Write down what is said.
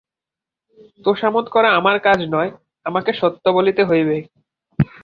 তোষামোদ করা আমার কাজ নয়, আমাকে সত্য বলিতে হইবে।